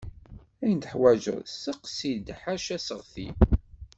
Ayen tuḥwaǧeḍ steqsi-d ḥaca aseɣti.